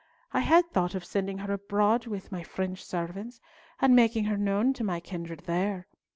I had thought of sending her abroad with my French servants, and making her known to my kindred there.